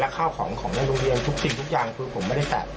เขาเข้าผมทำงานตามปกติครับผม